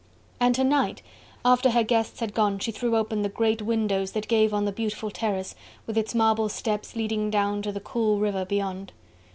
And to night after her guests had gone she threw open the great windows that gave on the beautiful terrace, with its marble steps leading down to the cool river beyond.